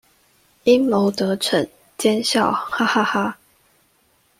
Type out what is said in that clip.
陰謀得逞，奸笑哈哈哈